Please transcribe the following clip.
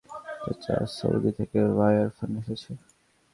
চাচা, সৌদি থেকে ভাইয়ার ফোন এসেছে।